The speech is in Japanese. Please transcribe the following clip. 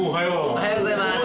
おはようございます。